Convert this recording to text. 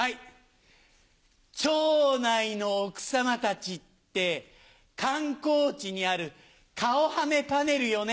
町内の奥様たちって観光地にある顔はめパネルよね。